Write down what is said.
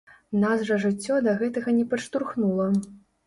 Нас жа жыццё да гэтага не падштурхнула.